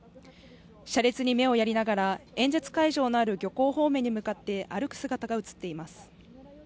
車列に目をやりながら演説会場のある漁港方面に向かって歩く姿が写っています。